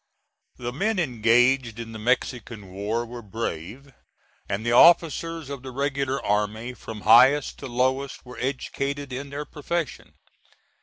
The men engaged in the Mexican war were brave, and the officers of the regular army, from highest to lowest, were educated in their profession.